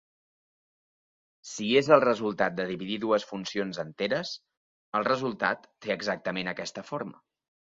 Si és el resultat de dividir dues funcions enteres, el resultat té exactament aquesta forma.